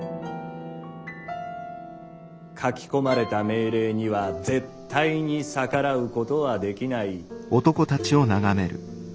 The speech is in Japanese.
書き込まれた命令には絶対に逆らうことはできない。